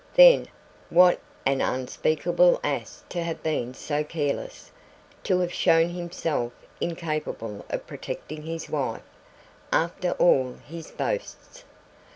Then, what an unspeakable ass to have been so careless to have shown himself incapable of protecting his wife, after all his boasts!